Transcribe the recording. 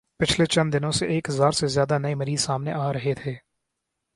پچھلے چند دنو ں سے ایک ہزار سے زیادہ نئے مریض سامنے آرہے تھے